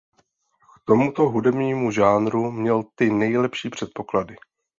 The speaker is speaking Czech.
K tomuto hudebnímu žánru měl ty nejlepší předpoklady.